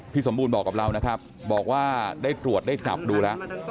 สมบูรณ์บอกกับเรานะครับบอกว่าได้ตรวจได้จับดูแล้ว